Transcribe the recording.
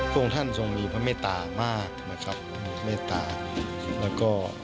กรุงท่านจงมีเมตตามากนะครับเมตตาแล้วก็